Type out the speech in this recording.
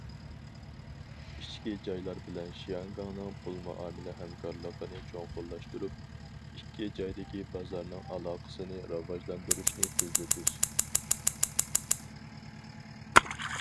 ئىچكى جايلار بىلەن شياڭگاڭنىڭ پۇل مۇئامىلە ھەمكارلىقىنى چوڭقۇرلاشتۇرۇپ، ئىككى جايدىكى بازارنىڭ ئالاقىسىنى راۋاجلاندۇرۇشنى تېزلىتىش.